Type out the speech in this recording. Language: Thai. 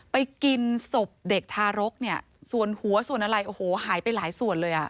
ไปกินศพเด็กทารกส่วนหัวส่วนอะไรหายไปหลายส่วนเลย